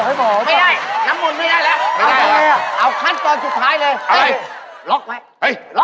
ไอ้หนูมือนามบอกบ้างละ